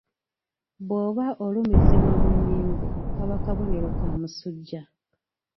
Bwoba olumizibwa mu nnyingo kaba kabonero ka musujja.